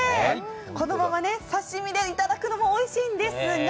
このまま刺身でいただくのもおいしいんですが。